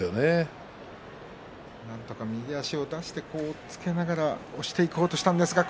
なんとか右足を出して押っつけながら押していこうとしたんですけどね。